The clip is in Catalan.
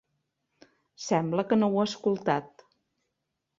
Sembla que no ho ha escoltat.